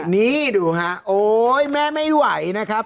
นี่ดูฮะโอ๊ยแม่ไม่ไหวนะครับ